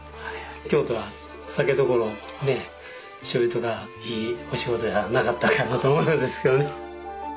京都は酒どころしょうゆとかいいお仕事じゃなかったかなと思うんですけどね。